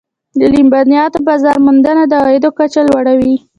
د لبنیاتو بازار موندنه د عوایدو کچه لوړوي.